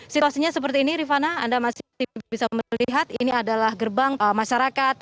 situasinya seperti ini rifana anda masih bisa melihat ini adalah gerbang masyarakat